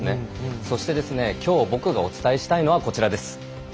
そしてきょう僕がお伝えしたいのはこちらです。